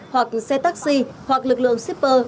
hoặc xe taxi hoặc lực lượng shipper